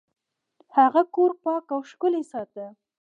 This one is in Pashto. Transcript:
هغه کور پاک او ښکلی ساته.